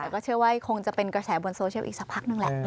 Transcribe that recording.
แต่ก็เชื่อว่าคงจะเป็นกระแสบนโซเชียลอีกสักพักนึงแหละ